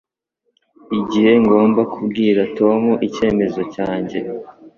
igihe ngomba kubwira Tom icyemezo cyanjye